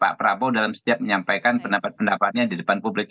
pak prabowo dalam setiap menyampaikan pendapat pendapatnya di depan publik